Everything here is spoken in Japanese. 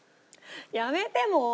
やめてもう！